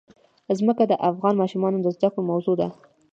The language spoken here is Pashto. ځمکه د افغان ماشومانو د زده کړې موضوع ده.